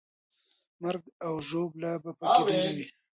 مرګ او ژوبله به پکې ډېره وي.